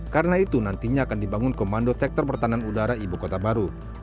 karena itu nantinya akan dibangun komando sektor pertahanan udara ibu kota baru